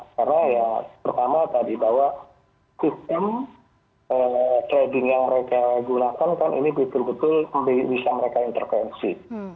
karena ya pertama tadi bahwa sistem trading yang mereka gunakan kan ini betul betul bisa mereka intervensi